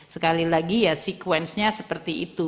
sekali lagi ya sequence nya seperti itu